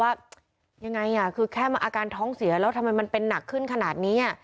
ว่ายังไงคือแค่มาอาการท้องเสียแล้วทำไมมันเป็นหนักขึ้นขนาดนี้